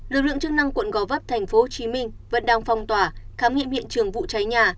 lực lượng chức năng quận gò vấp thành phố hồ chí minh vẫn đang phong tỏa khám nghiệm hiện trường vụ cháy nhà